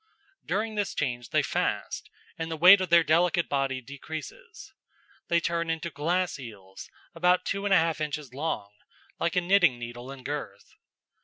During this change they fast, and the weight of their delicate body decreases. They turn into glass eels, about 2 1/2 inches long, like a knitting needle in girth.